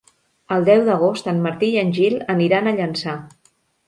El deu d'agost en Martí i en Gil aniran a Llançà.